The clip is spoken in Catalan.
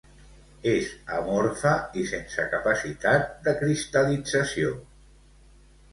És amorfa i sense capacitat de cristal·lització.